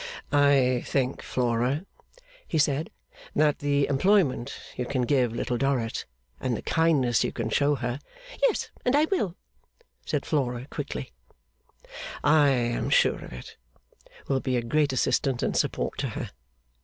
'I think, Flora,' he said, 'that the employment you can give Little Dorrit, and the kindness you can show her ' 'Yes and I will,' said Flora, quickly. 'I am sure of it will be a great assistance and support to her.